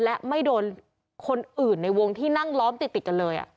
และไม่โดนคนอื่นในวงที่นั่งล้อมติดกันเลย